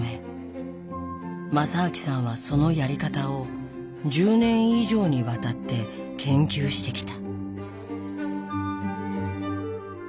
正明さんはそのやり方を１０年以上にわたって研究してきた。